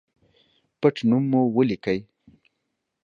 پټنوم مو ولیکئ